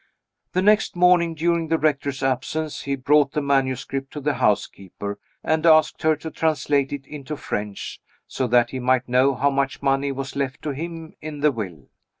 The next morning, during the Rector's absence, he brought the manuscript to the housekeeper, and asked her to translate it into French, so that he might know how much money was left to him in 'the will.